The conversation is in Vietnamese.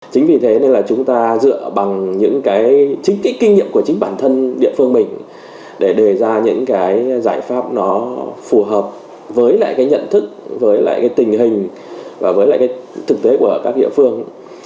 chính vì thế nên là chúng ta dựa bằng những cái chính cái kinh nghiệm của chính bản thân địa phương mình để đề ra những cái giải pháp nó phù hợp với lại cái nhận thức với lại cái tình hình và với lại cái thực tế của các địa phương